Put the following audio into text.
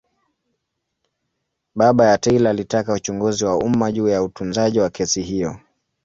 Baba ya Taylor alitaka uchunguzi wa umma juu ya utunzaji wa kesi hiyo.